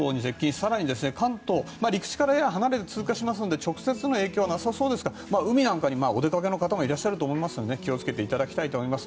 更に関東、陸地からやや離れて通過しますので直接の影響はなさそうですが海なんかにお出かけの方もいらっしゃると思うので気をつけていただきたいと思います。